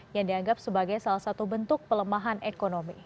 yang dianggap sebagai salah satu bentuk pelemahan ekonomi